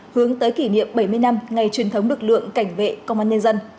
hướng tới kỷ niệm bảy mươi năm ngày truyền thống lực lượng cảnh vệ công an nhân dân